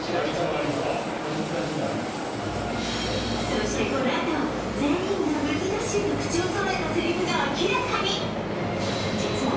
そしてこのあと全員が難しいと口を揃えたセリフが明らかに実は